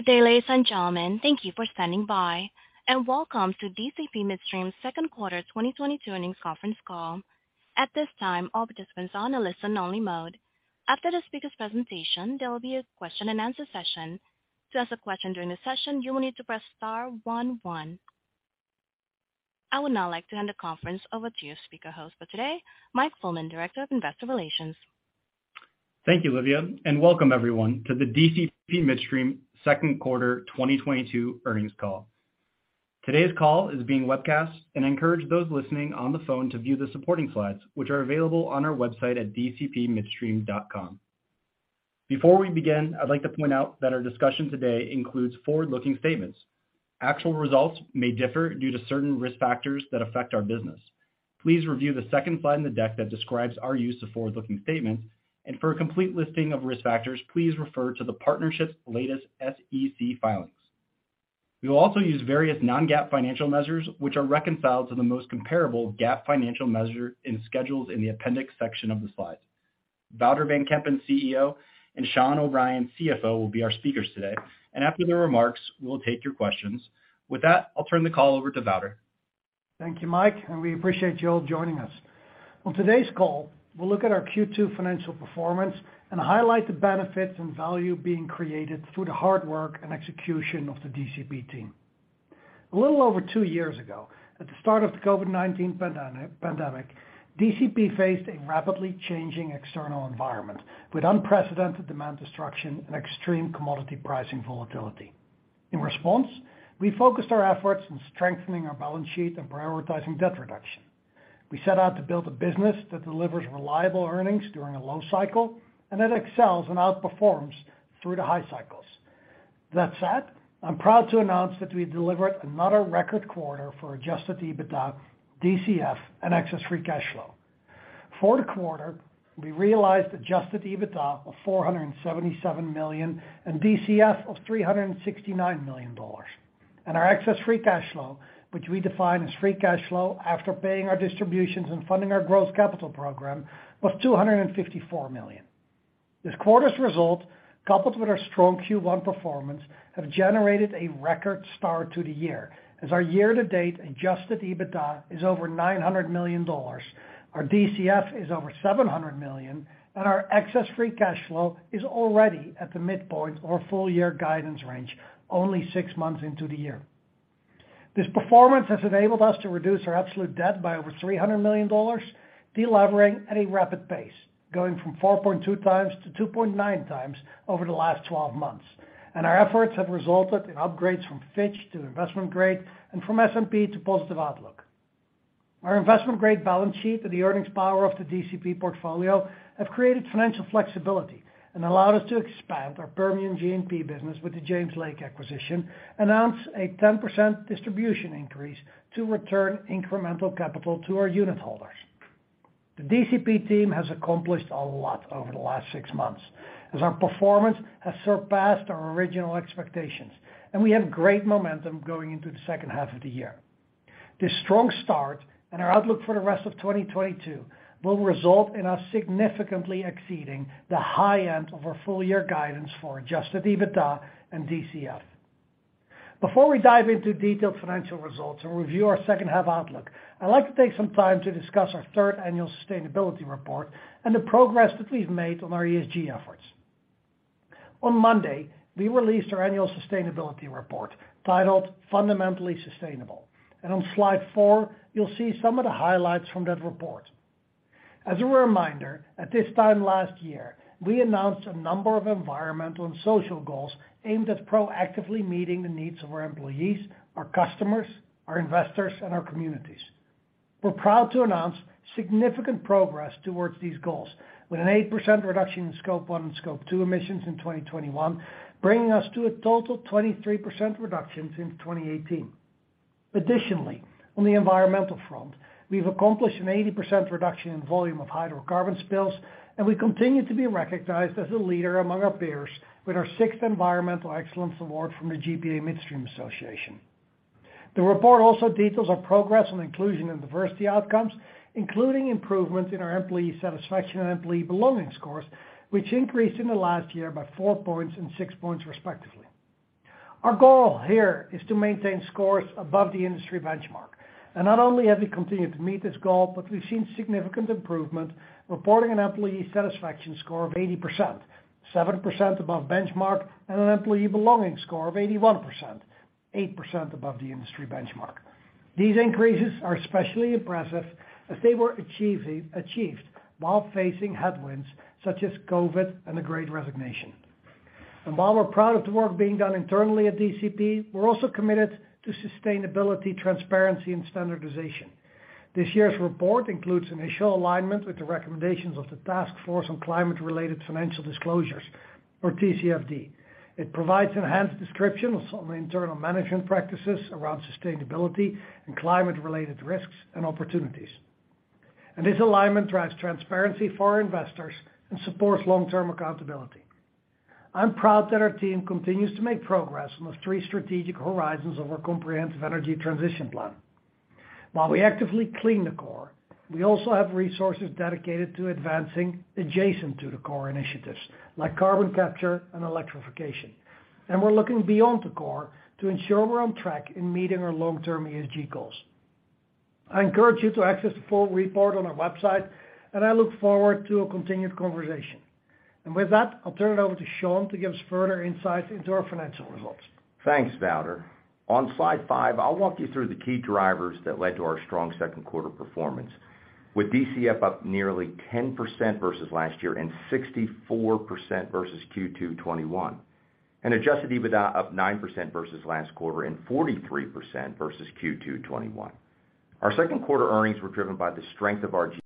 Good day, ladies and gentlemen. Thank you for standing by, and welcome to DCP Midstream second quarter 2022 earnings conference call. At this time, all participants are on a listen-only mode. After the speaker's presentation, there will be a question and answer session. To ask a question during the session, you will need to press star one one. I would now like to hand the conference over to your speaker host for today, Mike Fullman, Director of Investor Relations. Thank you, Livia, and welcome everyone to the DCP Midstream second quarter 2022 earnings call. Today's call is being webcast, and encourage those listening on the phone to view the supporting slides, which are available on our website at dcpmidstream.com. Before we begin, I'd like to point out that our discussion today includes forward-looking statements. Actual results may differ due to certain risk factors that affect our business. Please review the second slide in the deck that describes our use of forward-looking statements, and for a complete listing of risk factors, please refer to the partnership's latest SEC filings. We will also use various non-GAAP financial measures, which are reconciled to the most comparable GAAP financial measure in schedules in the appendix section of the slides. Wouter van Kempen, CEO, and Sean O'Brien, CFO, will be our speakers today. After their remarks, we'll take your questions. With that, I'll turn the call over to Wouter. Thank you, Mike, and we appreciate you all joining us. On today's call, we'll look at our Q2 financial performance and highlight the benefits and value being created through the hard work and execution of the DCP team. A little over two years ago, at the start of the COVID-19 pandemic, DCP faced a rapidly changing external environment with unprecedented demand destruction and extreme commodity pricing volatility. In response, we focused our efforts in strengthening our balance sheet and prioritizing debt reduction. We set out to build a business that delivers reliable earnings during a low cycle and that excels and outperforms through the high cycles. That said, I'm proud to announce that we delivered another record quarter for adjusted EBITDA, DCF, and excess free cash flow. For the quarter, we realized adjusted EBITDA of $477 million and DCF of $369 million. Our excess free cash flow, which we define as free cash flow after paying our distributions and funding our growth capital program, was $254 million. This quarter's result, coupled with our strong Q1 performance, have generated a record start to the year as our year-to-date adjusted EBITDA is over $900 million, our DCF is over $700 million, and our excess free cash flow is already at the midpoint of our full year guidance range only six months into the year. This performance has enabled us to reduce our absolute debt by over $300 million, delevering at a rapid pace, going from 4.2x to 2.9x over the last 12 months. Our efforts have resulted in upgrades from Fitch to investment grade and from S&P to positive outlook. Our investment-grade balance sheet and the earnings power of the DCP portfolio have created financial flexibility and allowed us to expand our Permian G&P business with the James Lake acquisition, announce a 10% distribution increase to return incremental capital to our unit holders. The DCP team has accomplished a lot over the last six months as our performance has surpassed our original expectations, and we have great momentum going into the second half of the year. This strong start and our outlook for the rest of 2022 will result in us significantly exceeding the high end of our full year guidance for adjusted EBITDA and DCF. Before we dive into detailed financial results and review our second half outlook, I'd like to take some time to discuss our third annual sustainability report and the progress that we've made on our ESG efforts. On Monday, we released our annual sustainability report titled Fundamentally Sustainable. On slide four, you'll see some of the highlights from that report. As a reminder, at this time last year, we announced a number of environmental and social goals aimed at proactively meeting the needs of our employees, our customers, our investors, and our communities. We're proud to announce significant progress towards these goals with an 8% reduction in scope one and scope two emissions in 2021, bringing us to a total 23% reduction since 2018. Additionally, on the environmental front, we've accomplished an 80% reduction in volume of hydrocarbon spills, and we continue to be recognized as a leader among our peers with our sixth Environmental Excellence Award from the GPA Midstream Association. The report also details our progress on inclusion and diversity outcomes, including improvements in our employee satisfaction and employee belonging scores, which increased in the last year by four points and six points, respectively. Our goal here is to maintain scores above the industry benchmark. Not only have we continued to meet this goal, but we've seen significant improvement, reporting an employee satisfaction score of 80%, 7% above benchmark, and an employee belonging score of 81%, 8% above the industry benchmark. These increases are especially impressive as they were achieved while facing headwinds such as COVID and the great resignation. While we're proud of the work being done internally at DCP, we're also committed to sustainability, transparency, and standardization. This year's report includes initial alignment with the recommendations of the Task Force on Climate-related Financial Disclosures or TCFD. It provides enhanced descriptions on the internal management practices around sustainability and climate-related risks and opportunities. This alignment drives transparency for our investors and supports long-term accountability. I'm proud that our team continues to make progress on the three strategic horizons of our comprehensive energy transition plan. While we actively clean the core, we also have resources dedicated to advancing adjacent to the core initiatives like carbon capture and electrification. We're looking beyond the core to ensure we're on track in meeting our long-term ESG goals. I encourage you to access the full report on our website, and I look forward to a continued conversation. With that, I'll turn it over to Sean to give us further insight into our financial results. Thanks, Wouter. On slide five, I'll walk you through the key drivers that led to our strong second quarter performance. With DCF up nearly 10% versus last year and 64% versus Q2 2021, and adjusted EBITDA up 9% versus last quarter and 43% versus Q2 2021. Our second quarter earnings were driven by the strength of our G&P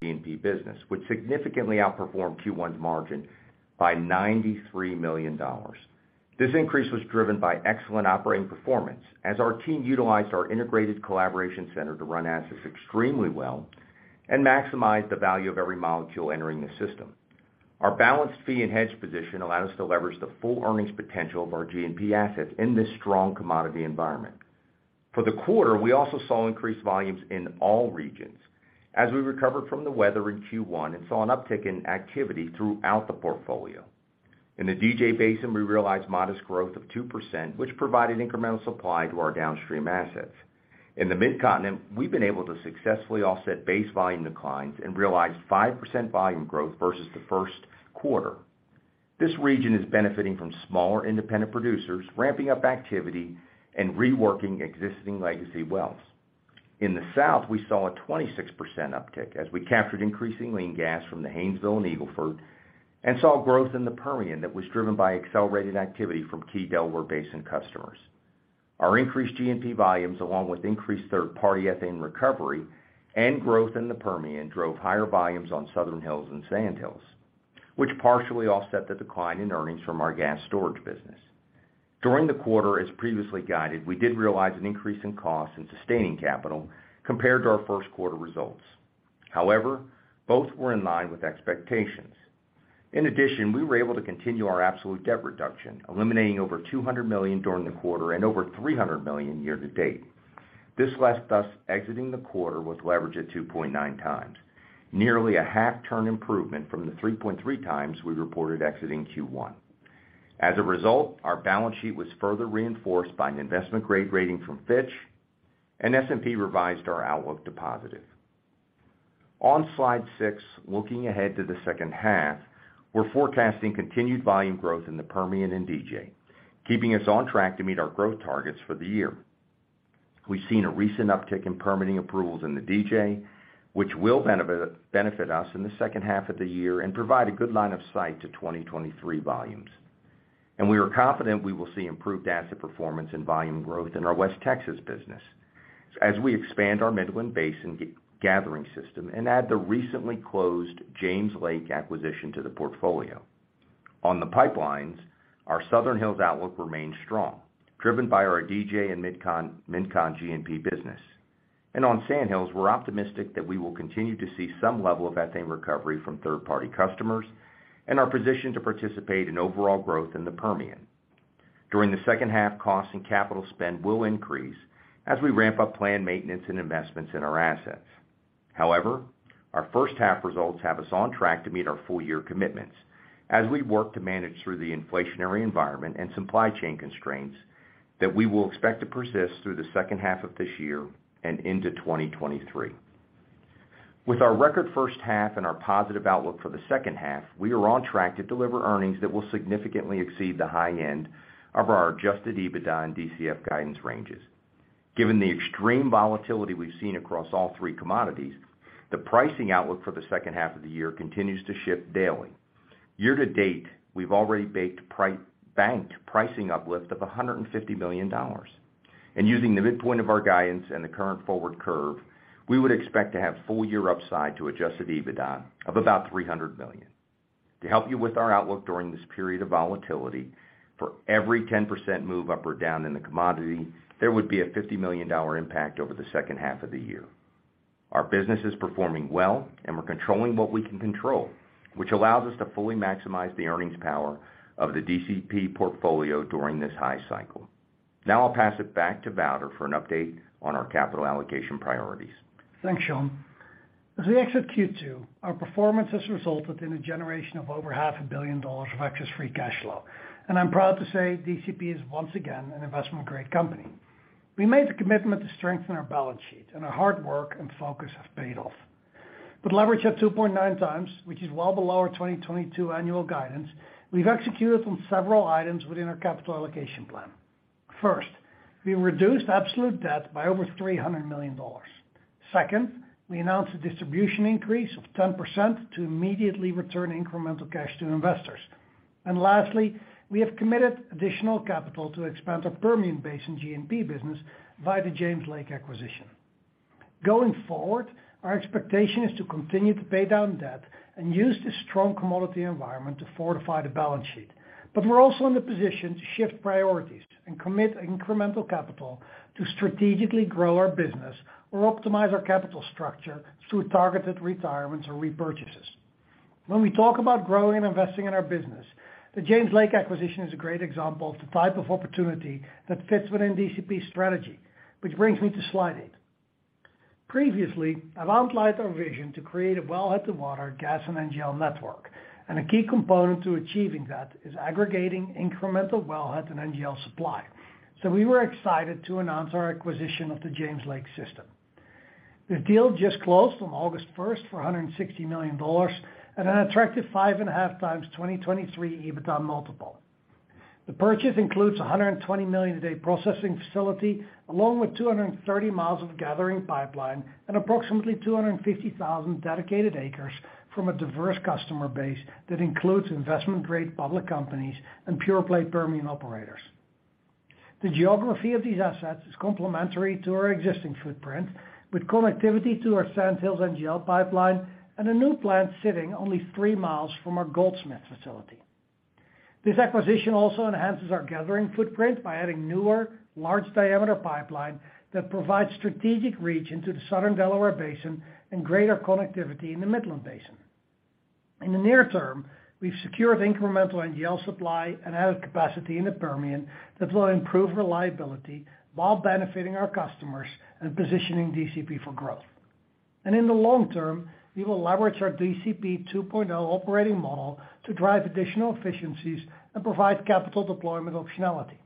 business, which significantly outperformed Q1's margin by $93 million. This increase was driven by excellent operating performance as our team utilized our Integrated Collaboration Center to run assets extremely well and maximize the value of every molecule entering the system. Our balanced fee and hedge position allowed us to leverage the full earnings potential of our G&P assets in this strong commodity environment. For the quarter, we also saw increased volumes in all regions as we recovered from the weather in Q1 and saw an uptick in activity throughout the portfolio. In the DJ Basin, we realized modest growth of 2%, which provided incremental supply to our downstream assets. In the Mid-Continent, we've been able to successfully offset base volume declines and realized 5% volume growth versus the first quarter. This region is benefiting from smaller independent producers ramping up activity and reworking existing legacy wells. In the South, we saw a 26% uptick as we captured increasing lean gas from the Haynesville and Eagle Ford and saw growth in the Permian that was driven by accelerated activity from key Delaware Basin customers. Our increased G&P volumes, along with increased third-party ethane recovery and growth in the Permian, drove higher volumes on Southern Hills and Sand Hills, which partially offset the decline in earnings from our gas storage business. During the quarter, as previously guided, we did realize an increase in cost and sustaining capital compared to our first quarter results. However, both were in line with expectations. In addition, we were able to continue our absolute debt reduction, eliminating over $200 million during the quarter and over $300 million year to date. This left us exiting the quarter with leverage at 2.9x, nearly a half turn improvement from the 3.3x we reported exiting Q1. As a result, our balance sheet was further reinforced by an investment-grade rating from Fitch, and S&P revised our outlook to positive. On slide six, looking ahead to the second half, we're forecasting continued volume growth in the Permian and DJ, keeping us on track to meet our growth targets for the year. We've seen a recent uptick in permitting approvals in the DJ, which will benefit us in the second half of the year and provide a good line of sight to 2023 volumes. We are confident we will see improved asset performance and volume growth in our West Texas business as we expand our Midland Basin gathering system and add the recently closed James Lake acquisition to the portfolio. On the pipelines, our Southern Hills outlook remains strong, driven by our DJ and Mid-Con G&P business. On Sand Hills, we're optimistic that we will continue to see some level of ethane recovery from third-party customers and are positioned to participate in overall growth in the Permian. During the second half, costs and capital spend will increase as we ramp up planned maintenance and investments in our assets. However, our first half results have us on track to meet our full-year commitments as we work to manage through the inflationary environment and supply chain constraints that we will expect to persist through the second half of this year and into 2023. With our record first half and our positive outlook for the second half, we are on track to deliver earnings that will significantly exceed the high end of our adjusted EBITDA and DCF guidance ranges. Given the extreme volatility we've seen across all three commodities, the pricing outlook for the second half of the year continues to shift daily. Year to date, we've already baked in pricing uplift of $150 million. Using the midpoint of our guidance and the current forward curve, we would expect to have full-year upside to adjusted EBITDA of about $300 million. To help you with our outlook during this period of volatility, for every 10% move up or down in the commodity, there would be a $50 million impact over the second half of the year. Our business is performing well, and we're controlling what we can control, which allows us to fully maximize the earnings power of the DCP portfolio during this high cycle. Now I'll pass it back to Wouter for an update on our capital allocation priorities. Thanks, Sean. As we exit Q2, our performance has resulted in a generation of over half a billion dollars of excess free cash flow, and I'm proud to say DCP is once again an investment-grade company. We made the commitment to strengthen our balance sheet, and our hard work and focus have paid off. With leverage at 2.9x, which is well below our 2022 annual guidance, we've executed on several items within our capital allocation plan. First, we reduced absolute debt by over $300 million. Second, we announced a distribution increase of 10% to immediately return incremental cash to investors. Lastly, we have committed additional capital to expand our Permian Basin G&P business via the James Lake acquisition. Going forward, our expectation is to continue to pay down debt and use this strong commodity environment to fortify the balance sheet. We're also in the position to shift priorities and commit incremental capital to strategically grow our business or optimize our capital structure through targeted retirements or repurchases. When we talk about growing and investing in our business, the James Lake acquisition is a great example of the type of opportunity that fits within DCP's strategy, which brings me to slide eight. Previously, I've outlined our vision to create a wellhead-to-market gas and NGL network, and a key component to achieving that is aggregating incremental wellhead and NGL supply. We were excited to announce our acquisition of the James Lake System. The deal just closed on August first for $160 million at an attractive 5.5x 2023 EBITDA multiple. The purchase includes a 120 million a day processing facility, along with 230 miles of gathering pipeline and approximately 250,000 dedicated acres from a diverse customer base that includes investment-grade public companies and pure play Permian operators. The geography of these assets is complementary to our existing footprint, with connectivity to our Sand Hills NGL pipeline and a new plant sitting only 3 miles from our Goldsmith facility. This acquisition also enhances our gathering footprint by adding newer, large diameter pipeline that provides strategic reach into the Southern Delaware Basin and greater connectivity in the Midland Basin. In the near term, we've secured incremental NGL supply and added capacity in the Permian that will improve reliability while benefiting our customers and positioning DCP for growth. In the long term, we will leverage our DCP 2.0 operating model to drive additional efficiencies and provide capital deployment optionality.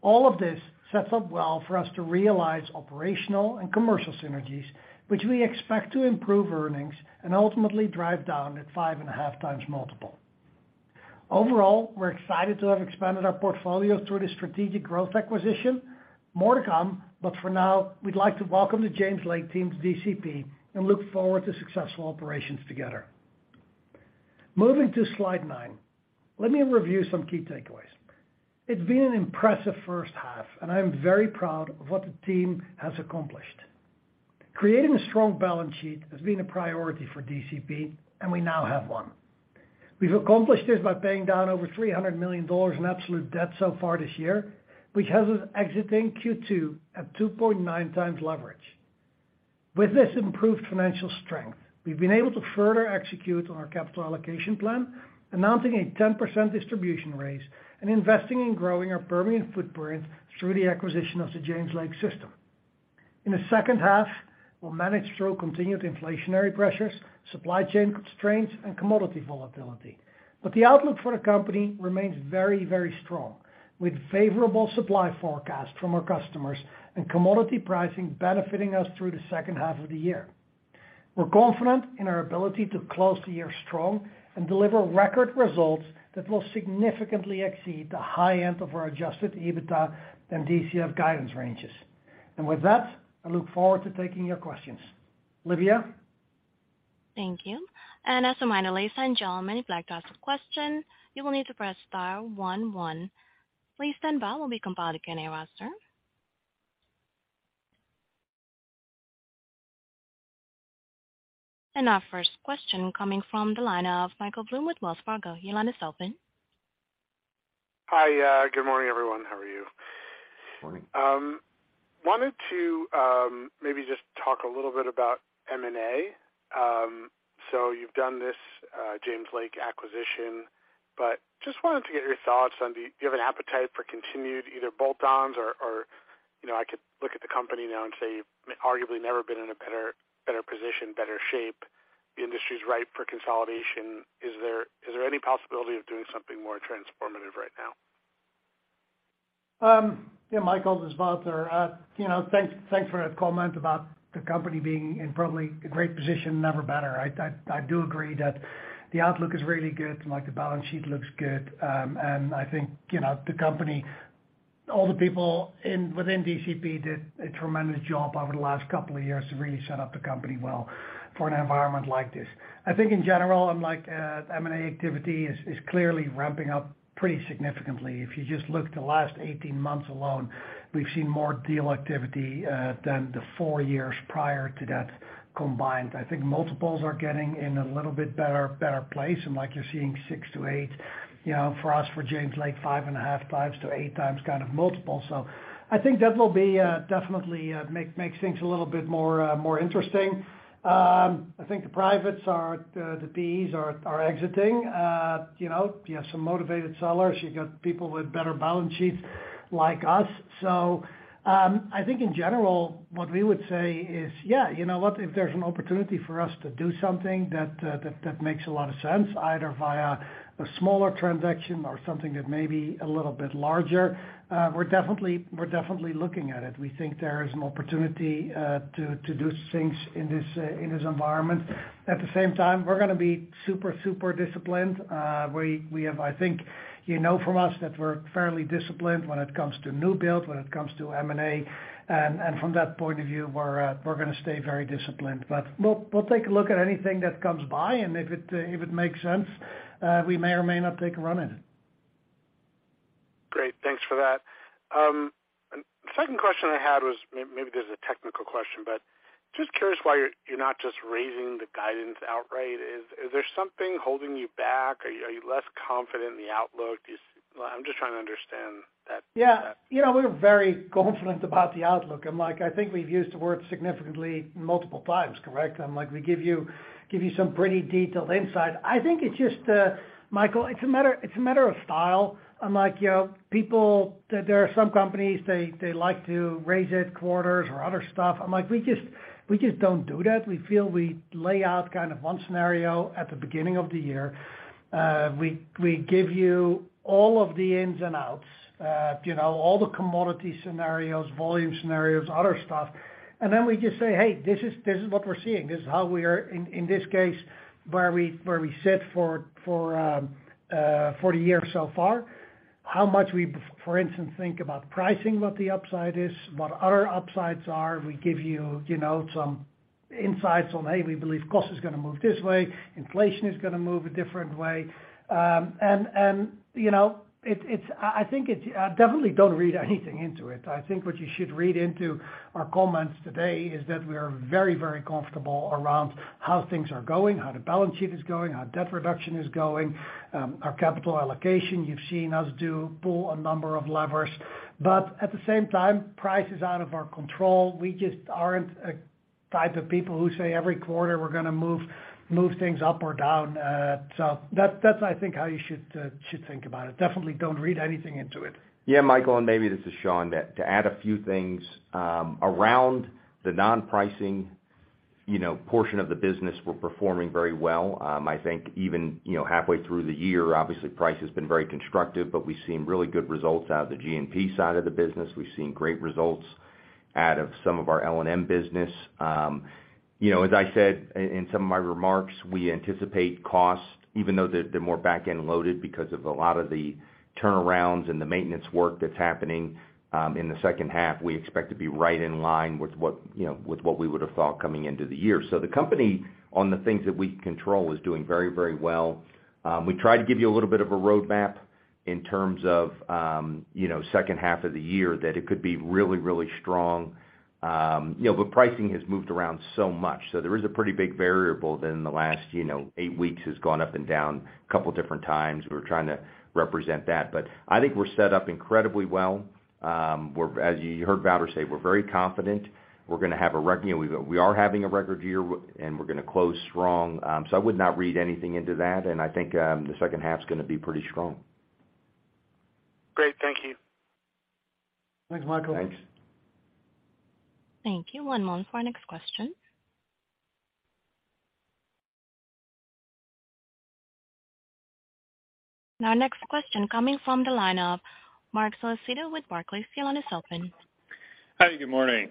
All of this sets up well for us to realize operational and commercial synergies, which we expect to improve earnings and ultimately drive down that 5.5x multiple. Overall, we're excited to have expanded our portfolio through this strategic growth acquisition. More to come, but for now, we'd like to welcome the James Lake team to DCP and look forward to successful operations together. Moving to slide nine, let me review some key takeaways. It's been an impressive first half, and I am very proud of what the team has accomplished. Creating a strong balance sheet has been a priority for DCP, and we now have one. We've accomplished this by paying down over $300 million in absolute debt so far this year, which has us exiting Q2 at 2.9x leverage. With this improved financial strength, we've been able to further execute on our capital allocation plan, announcing a 10% distribution raise and investing in growing our Permian footprint through the acquisition of the James Lake System. In the second half, we'll manage through continued inflationary pressures, supply chain constraints, and commodity volatility. But the outlook for the company remains very, very strong, with favorable supply forecasts from our customers and commodity pricing benefiting us through the second half of the year. We're confident in our ability to close the year strong and deliver record results that will significantly exceed the high end of our adjusted EBITDA and DCF guidance ranges. With that, I look forward to taking your questions. Livia? Thank you. As a reminder, ladies and gentlemen, if you'd like to ask a question, you will need to press star one one. Please stand by. We'll be compiling a roster. Our first question coming from the line of Michael Blum with Wells Fargo. Your line is open. Hi. Good morning, everyone. How are you? Morning. Wanted to maybe just talk a little bit about M&A. You've done this James Lake System acquisition, but just wanted to get your thoughts on do you have an appetite for continued either bolt-ons or, you know, I could look at the company now and say, arguably never been in a better position, better shape. The industry's ripe for consolidation. Is there any possibility of doing something more transformative right now? Yeah, Michael, this is Wouter. You know, thanks for that comment about the company being in probably a great position, never better. I do agree that the outlook is really good. Like, the balance sheet looks good. And I think, you know, the company, all the people within DCP did a tremendous job over the last couple of years to really set up the company well for an environment like this. I think in general, like, M&A activity is clearly ramping up pretty significantly. If you just look at the last 18 months alone, we've seen more deal activity than the four years prior to that combined. I think multiples are getting in a little bit better place, and like you're seeing 6x-8x. You know, for us, for James Lake, 5.5x-8x kind of multiple. I think that will be definitely makes things a little bit more interesting. I think the PEs are exiting. You know, you have some motivated sellers. You got people with better balance sheets like us. I think in general, what we would say is, yeah, you know what? If there's an opportunity for us to do something that makes a lot of sense, either via a smaller transaction or something that may be a little bit larger, we're definitely looking at it. We think there is an opportunity to do things in this environment. At the same time, we're gonna be super disciplined. I think you know from us that we're fairly disciplined when it comes to new build, when it comes to M&A. From that point of view, we're gonna stay very disciplined. We'll take a look at anything that comes by, and if it makes sense, we may or may not take a run at it. Great. Thanks for that. Second question I had was, maybe this is a technical question, but just curious why you're not just raising the guidance outright. Is there something holding you back? Are you less confident in the outlook? I'm just trying to understand that. Yeah. You know, we're very confident about the outlook, and like I think we've used the word significantly multiple times, correct? I'm like, we give you some pretty detailed insight. I think it's just, Michael, it's a matter of style. Unlike, you know, people, there are some companies, they like to raise it quarterly or other stuff. I'm like, we just don't do that. We feel we lay out kind of one scenario at the beginning of the year. We give you all of the ins and outs, you know, all the commodity scenarios, volume scenarios, other stuff. Then we just say, "Hey, this is what we're seeing. This is how we are in this case where we sit for the year so far, how much we for instance think about pricing, what the upside is, what other upsides are." We give you know, some insights on, "Hey, we believe cost is gonna move this way, inflation is gonna move a different way." And you know, it's. I think it's definitely. Don't read anything into it. I think what you should read into our comments today is that we are very, very comfortable around how things are going, how the balance sheet is going, how debt reduction is going, our capital allocation. You've seen us pull a number of levers. At the same time, price is out of our control. We just aren't a type of people who say every quarter we're gonna move things up or down. That's, I think, how you should think about it. Definitely don't read anything into it. Yeah, Michael, and maybe this is Sean to add a few things around the non-pricing, you know, portion of the business. We're performing very well. I think even, you know, halfway through the year, obviously price has been very constructive, but we've seen really good results out of the G&P side of the business. We've seen great results out of some of our L&M business. You know, as I said in some of my remarks, we anticipate costs, even though they're more back-end loaded because of a lot of the turnarounds and the maintenance work that's happening in the second half. We expect to be right in line with what, you know, with what we would have thought coming into the year. The company, on the things that we control, is doing very, very well. We tried to give you a little bit of a roadmap in terms of, you know, second half of the year, that it could be really, really strong. Pricing has moved around so much, so there is a pretty big variable that in the last, you know, eight weeks has gone up and down a couple different times. We're trying to represent that. I think we're set up incredibly well. As you heard Wouter say, we're very confident. You know, we are having a record year, and we're gonna close strong. I would not read anything into that, and I think, the second half's gonna be pretty strong. Great. Thank you. Thanks, Michael. Thanks. Thank you. One moment for our next question. Our next question coming from the line of Marc Solecitto with Barclays. Your line is open. Hi, good morning.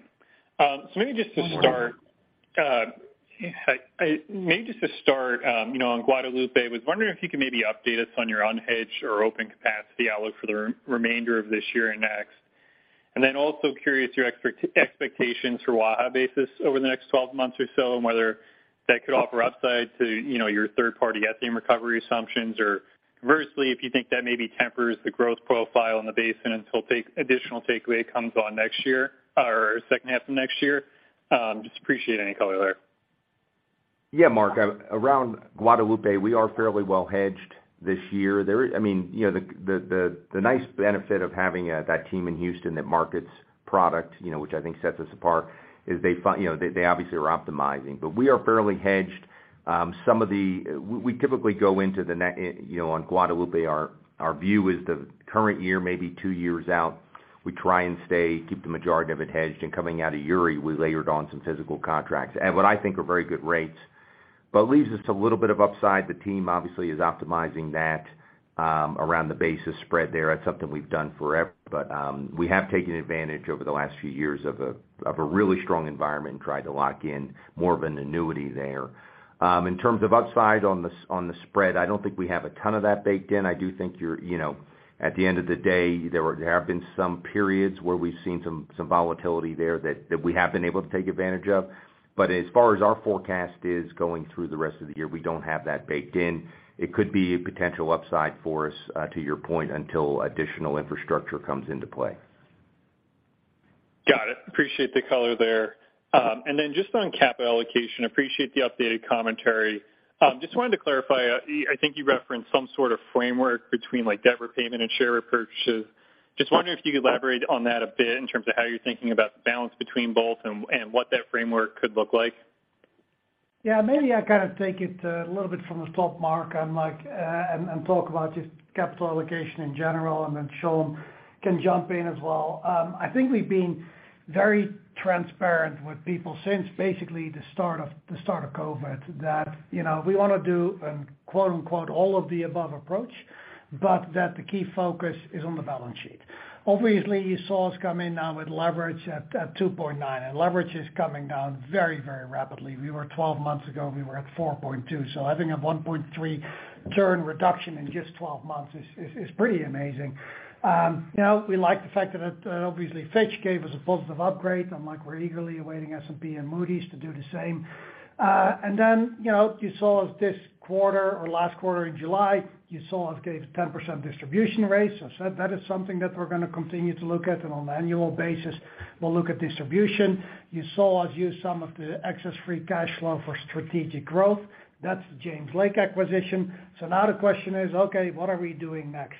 Maybe just to start. Good morning. Maybe just to start, you know, on Guadalupe, was wondering if you could maybe update us on your unhedged or open capacity outlook for the remainder of this year and next. Also curious your expectations for Waha basis over the next 12 months or so, and whether that could offer upside to, you know, your third-party ethane recovery assumptions, or conversely, if you think that maybe tempers the growth profile in the basin until additional takeaway comes on next year or second half of next year. Just appreciate any color there. Yeah, Mark. Around Guadalupe, we are fairly well hedged this year. I mean, you know, the nice benefit of having that team in Houston that markets product, you know, which I think sets us apart, is they you know, they obviously are optimizing. We are fairly well hedged. Some of the. We typically go into the you know, on Guadalupe, our view is the current year, maybe two years out, we try and stay keep the majority of it hedged, and coming out of Uri, we layered on some physical contracts at what I think are very good rates. Leaves us to a little bit of upside. The team obviously is optimizing that around the basis spread there. That's something we've done. We have taken advantage over the last few years of a really strong environment and tried to lock in more of an annuity there. In terms of upside on the spread, I don't think we have a ton of that baked in. I do think you're, you know, at the end of the day, there have been some periods where we've seen some volatility there that we have been able to take advantage of. As far as our forecast is going through the rest of the year, we don't have that baked in. It could be a potential upside for us, to your point, until additional infrastructure comes into play. Got it. Appreciate the color there. Just on capital allocation, appreciate the updated commentary. Just wanted to clarify, I think you referenced some sort of framework between, like, debt repayment and share repurchases. Just wondering if you could elaborate on that a bit in terms of how you're thinking about the balance between both and what that framework could look like. Yeah. Maybe I kind of take it a little bit from the top, Marc, and like and talk about just capital allocation in general, and then Sean can jump in as well. I think we've been very transparent with people since basically the start of COVID that, you know, we wanna do a quote-unquote all of the above approach, but that the key focus is on the balance sheet. Obviously, you saw us come in now with leverage at 2.9x, and leverage is coming down very rapidly. We were 12 months ago, we were at 4.2x, so having a 1.3x turn reduction in just 12 months is pretty amazing. You know, we like the fact that, obviously Fitch gave us a positive upgrade, and like we're eagerly awaiting S&P and Moody's to do the same. You know, you saw this quarter or last quarter in July, you saw us gave 10% distribution raise. That is something that we're gonna continue to look at on an annual basis. We'll look at distribution. You saw us use some of the excess free cash flow for strategic growth. That's the James Lake System acquisition. Now the question is, okay, what are we doing next?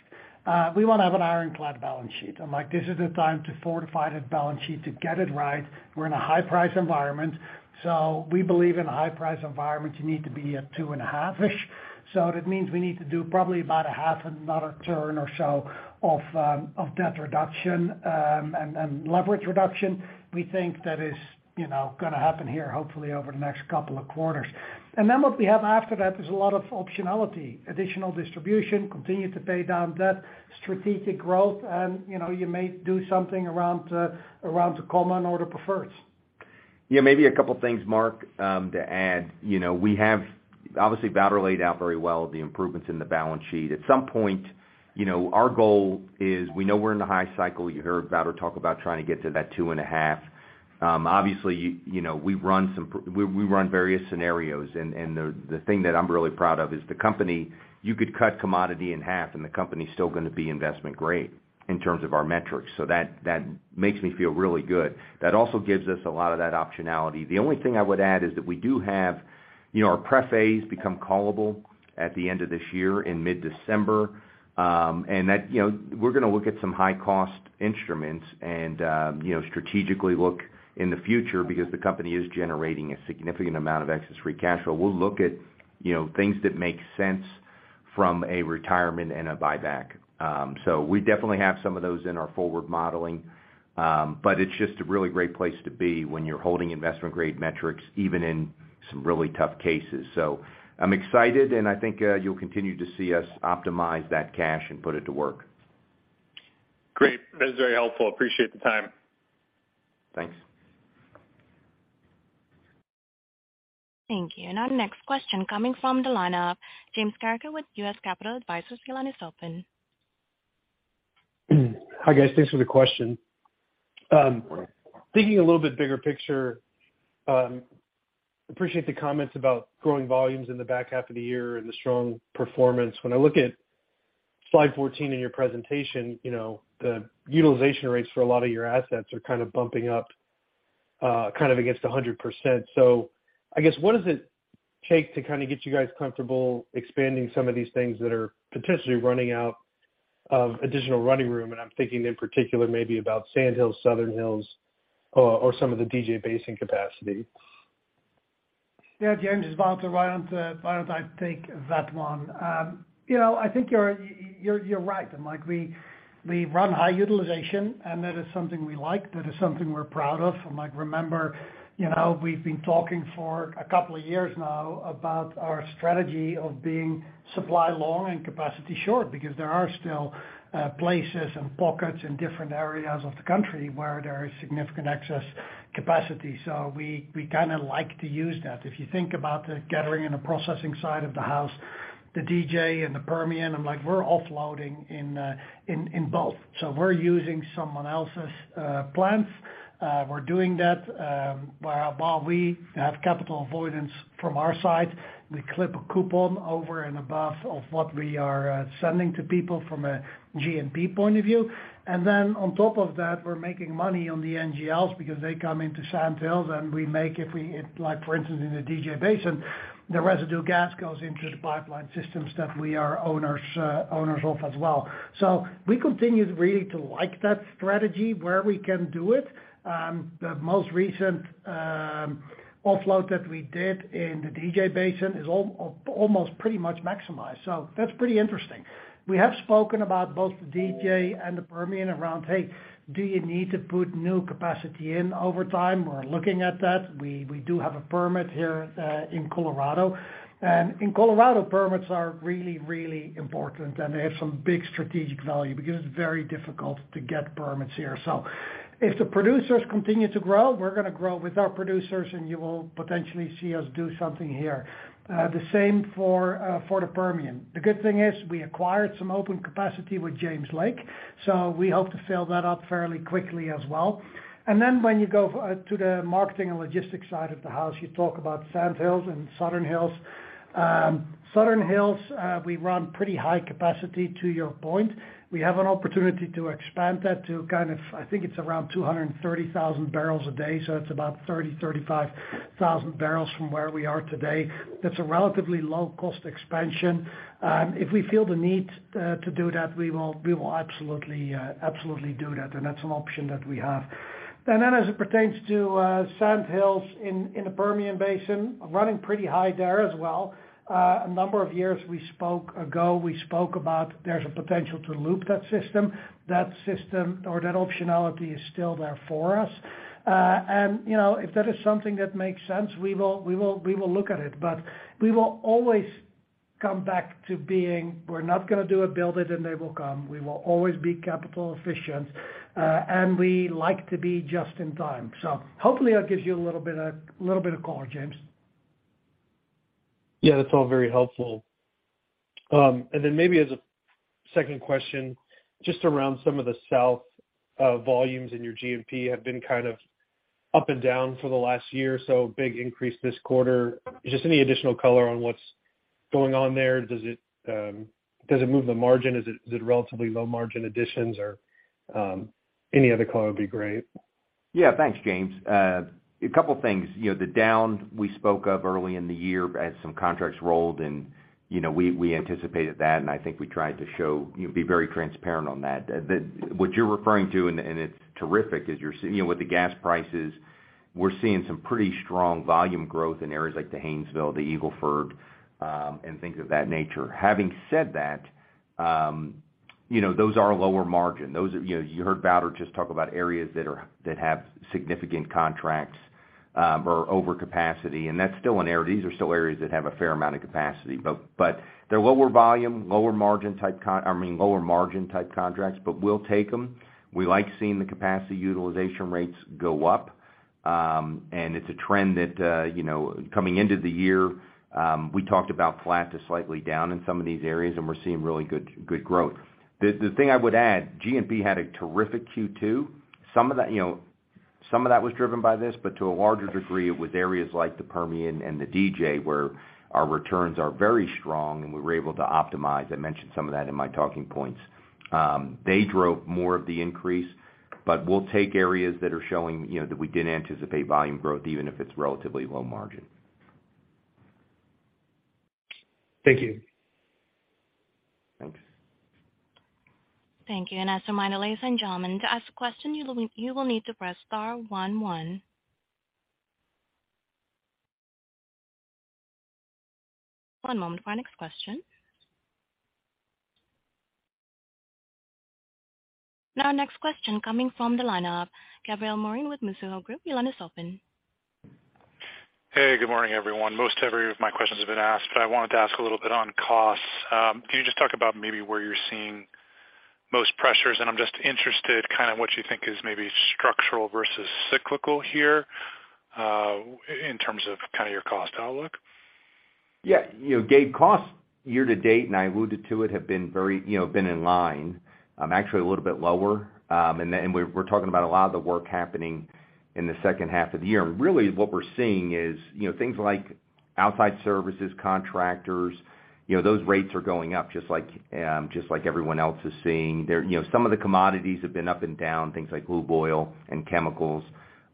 We wanna have an ironclad balance sheet, and, like, this is the time to fortify that balance sheet to get it right. We're in a high-price environment. We believe in a high-price environment, you need to be at 2.5x-ish. That means we need to do probably about a half another turn or so of debt reduction, and leverage reduction. We think that is, you know, gonna happen here, hopefully over the next couple of quarters. Then what we have after that is a lot of optionality, additional distribution, continue to pay down debt, strategic growth, and, you know, you may do something around the common or the preferreds. Yeah, maybe a couple of things, Marc, to add. You know, we have, obviously, Wouter laid out very well the improvements in the balance sheet. At some point, you know, our goal is we know we're in the high cycle. You heard Wouter talk about trying to get to that 2.5x. Obviously, you know, we run various scenarios, and the thing that I'm really proud of is the company. You could cut commodity in half and the company is still gonna be investment-grade in terms of our metrics. So that makes me feel really good. That also gives us a lot of that optionality. The only thing I would add is that we do have, you know, our prefs become callable at the end of this year in mid-December. That, you know, we're gonna look at some high-cost instruments and, you know, strategically look in the future because the company is generating a significant amount of excess free cash flow. We'll look at, you know, things that make sense from a retirement and a buyback. We definitely have some of those in our forward modeling. It's just a really great place to be when you're holding investment-grade metrics, even in some really tough cases. I'm excited, and I think, you'll continue to see us optimize that cash and put it to work. Great. That's very helpful. Appreciate the time. Thanks. Thank you. Our next question coming from the line of James Carreker with U.S. Capital Advisors. Your line is open. Hi, guys. Thanks for the question. Thinking a little bit bigger picture, appreciate the comments about growing volumes in the back half of the year and the strong performance. When I look at slide 14 in your presentation, you know, the utilization rates for a lot of your assets are kind of bumping up, kind of against 100%. I guess what does it take to kinda get you guys comfortable expanding some of these things that are potentially running out of additional running room? I'm thinking in particular maybe about Sand Hills, Southern Hills, or some of the DJ Basin capacity. Yeah, James, it's Wouter. Why don't I take that one? You know, I think you're right. Like, we run high utilization, and that is something we like. That is something we're proud of. Like, remember, you know, we've been talking for a couple of years now about our strategy of being supply long and capacity short because there are still places and pockets in different areas of the country where there is significant excess capacity. We kinda like to use that. If you think about the gathering and the processing side of the house, the DJ and the Permian, like, we're offloading in both. We're using someone else's plants. We're doing that while we have capital avoidance from our side. We clip a coupon over and above of what we are sending to people from a G&P point of view. Then on top of that, we're making money on the NGLs because they come into Sand Hills, like, for instance, in the DJ Basin, the residue gas goes into the pipeline systems that we are owners of as well. We continue really to like that strategy where we can do it. The most recent offload that we did in the DJ Basin is almost pretty much maximized. That's pretty interesting. We have spoken about both the DJ and the Permian around, "Hey, do you need to put new capacity in over time?" We're looking at that. We do have a permit here in Colorado. In Colorado, permits are really, really important, and they have some big strategic value because it's very difficult to get permits here. If the producers continue to grow, we're gonna grow with our producers, and you will potentially see us do something here. The same for the Permian. The good thing is we acquired some open capacity with James Lake, so we hope to fill that up fairly quickly as well. When you go to the marketing and logistics side of the house, you talk about Sand Hills and Southern Hills. Southern Hills, we run pretty high capacity to your point. We have an opportunity to expand that to, I think it's around 230,000 barrels a day, so it's about 30,000 barrels-35,000 barrels from where we are today. That's a relatively low-cost expansion. If we feel the need to do that, we will absolutely do that. That's an option that we have. As it pertains to Sand Hills in the Permian Basin, running pretty high there as well. A number of years ago, we spoke about there's a potential to loop that system. That system or that optionality is still there for us. You know, if that is something that makes sense, we will look at it. We will always come back to being, we're not gonna do a build it and they will come. We will always be capital efficient, and we like to be just in time. Hopefully that gives you a little bit of color, James. Yeah, that's all very helpful. Maybe as a second question, just around some of the southern volumes in your G&P have been kind of up and down for the last year, so big increase this quarter. Just any additional color on what's going on there? Does it move the margin? Is it relatively low margin additions or any other color would be great. Yeah. Thanks, James. A couple things. You know, the downturn we spoke of early in the year as some contracts rolled and, you know, we anticipated that, and I think we tried to show, you know, be very transparent on that. What you're referring to, and it's terrific. You're seeing, you know, with the gas prices, we're seeing some pretty strong volume growth in areas like the Haynesville, the Eagle Ford, and things of that nature. Having said that, you know, those are lower margin. Those are, you know, you heard Wouter just talk about areas that have significant contracts or overcapacity, and that's still an area. These are still areas that have a fair amount of capacity. But they're lower volume, lower margin type, I mean, lower margin type contracts, but we'll take them. We like seeing the capacity utilization rates go up. It's a trend that, you know, coming into the year, we talked about flat to slightly down in some of these areas, and we're seeing really good growth. The thing I would add, G&P had a terrific Q2. Some of that was driven by this, but to a larger degree, it was areas like the Permian and the DJ where our returns are very strong and we were able to optimize. I mentioned some of that in my talking points. They drove more of the increase, but we'll take areas that are showing, you know, that we didn't anticipate volume growth, even if it's relatively low margin. Thank you. Thanks. Thank you. As a reminder, ladies and gentlemen, to ask a question, you will need to press star one one. One moment for our next question. Now next question coming from the line of Gabriel Moreen with Mizuho Group. Your line is open. Hey, good morning, everyone. Most every of my questions have been asked, but I wanted to ask a little bit on costs. Can you just talk about maybe where you're seeing most pressures? I'm just interested kind of what you think is maybe structural versus cyclical here, in terms of kinda your cost outlook. Yeah. You know, Gabe, costs year to date, and I alluded to it, have been very, you know, in line, actually a little bit lower. We're talking about a lot of the work happening in the second half of the year. Really what we're seeing is, you know, things like outside services, contractors, you know, those rates are going up just like, just like everyone else is seeing. They're, you know, some of the commodities have been up and down, things like lube oil and chemicals,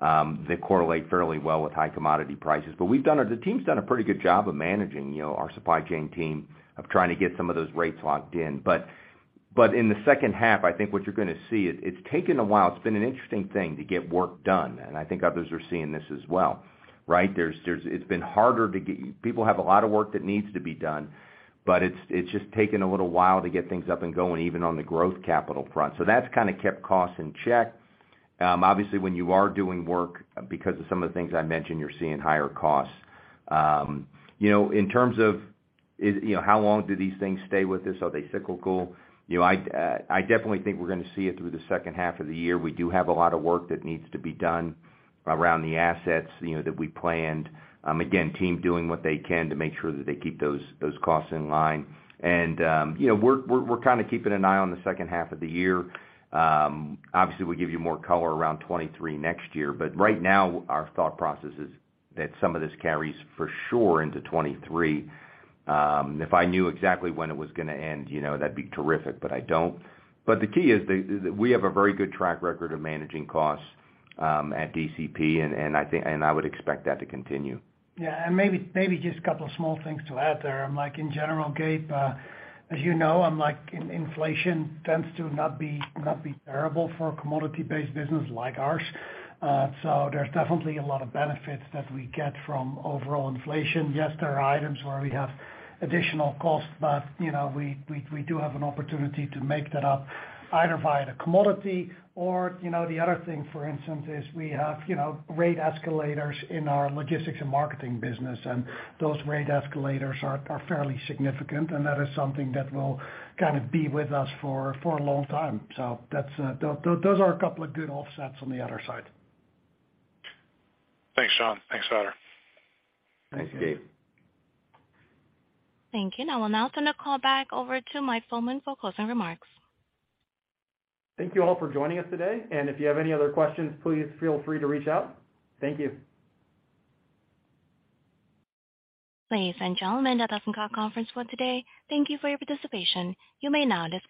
that correlate fairly well with high commodity prices. But the team's done a pretty good job of managing, you know, our supply chain team of trying to get some of those rates locked in. But in the second half, I think what you're gonna see, it's taken a while. It's been an interesting thing to get work done, and I think others are seeing this as well, right? There's It's been harder. People have a lot of work that needs to be done, but it's just taken a little while to get things up and going even on the growth capital front. So that's kinda kept costs in check. Obviously, when you are doing work, because of some of the things I mentioned, you're seeing higher costs. You know, in terms of is, you know, how long do these things stay with this? Are they cyclical? You know, I definitely think we're gonna see it through the second half of the year. We do have a lot of work that needs to be done around the assets, you know, that we planned. Again, team doing what they can to make sure that they keep those costs in line. You know, we're kinda keeping an eye on the second half of the year. Obviously, we'll give you more color around 2023 next year, but right now our thought process is that some of this carries for sure into 2023. If I knew exactly when it was gonna end, you know, that'd be terrific, but I don't. The key is that we have a very good track record of managing costs at DCP, and I think I would expect that to continue. Yeah. Maybe just a couple small things to add there. Like, in general, Gabe, as you know, inflation tends to not be terrible for a commodity-based business like ours. There's definitely a lot of benefits that we get from overall inflation. Yes, there are items where we have additional costs, but, you know, we do have an opportunity to make that up either via the commodity or, you know, the other thing, for instance, is we have, you know, rate escalators in our logistics and marketing business, and those rate escalators are fairly significant, and that is something that will kind of be with us for a long time. That's, those are a couple of good offsets on the other side. Thanks, Sean. Thanks, Wouter. Thanks, Gabe. Thank you. Now I'll turn the call back over to Mike Fullman for closing remarks. Thank you all for joining us today. If you have any other questions, please feel free to reach out. Thank you. Ladies and gentlemen, that does end our conference for today. Thank you for your participation. You may now disconnect.